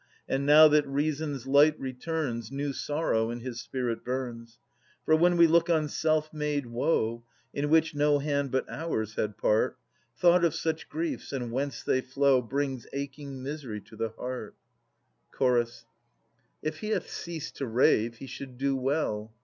And now that Reason's light returns. New sorrow in his spirit burns. For when we look on self made woe, In which no hand but ours had part. Thought of such griefs and whence they flow Brings aching misery to the heart. 263 293] At'as 63 Ch. If he hath ceased to rave, he should do well.